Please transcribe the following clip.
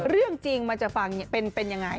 เรื่องจริงมันจะเป็นอย่างไร